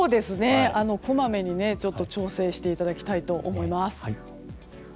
こまめに調整をしていただきたいと思います。